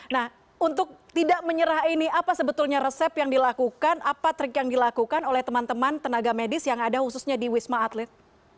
nah untuk tidak menyerah ini apa sebetulnya resep yang dilakukan apa trik yang dilakukan oleh teman teman tenaga medis yang ada khususnya di wisma atlet